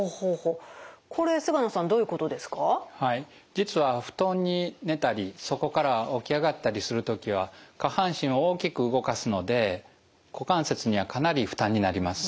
実は布団に寝たりそこから起き上がったりする時は下半身を大きく動かすので股関節にはかなり負担になります。